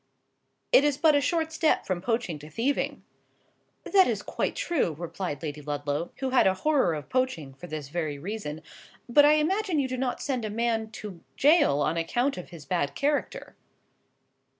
It is but a short step from poaching to thieving." "That is quite true," replied Lady Ludlow (who had a horror of poaching for this very reason): "but I imagine you do not send a man to gaol on account of his bad character."